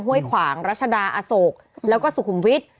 ห้วยขวางรัชดาอโศกแล้วก็สุขุมวิทย์